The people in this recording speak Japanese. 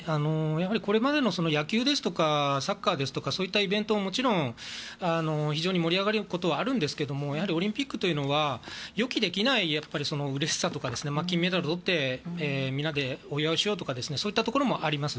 これまでの野球ですとかサッカーですとかそういったイベントももちろん非常に盛り上がりますがやはりオリンピックというのは予期できないうれしさとか、金メダルをとってみんなでお祝いしようとかそういったところもあります。